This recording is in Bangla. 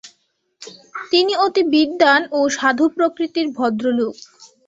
তিনি অতি বিদ্বান ও সাধুপ্রকৃতির ভদ্রলোক।